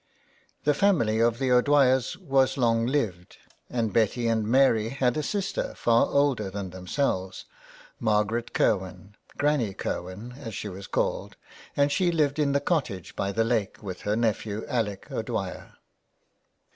The family of the O'Dwyer's was long lived, and Betty and Mary had a sister far older than themselves, Margaret Kirwin, ''Granny Kirwin," as she was called, and she lived in the cottage by the lake with her nephew. Alec O'Dwyer.